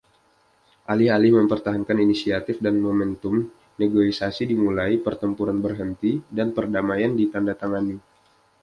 Alih-alih mempertahankan inisiatif dan momentum, negosiasi dimulai, pertempuran berhenti dan perdamaian ditandatangani.